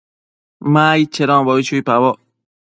Ma aid chedonbo chuipaboc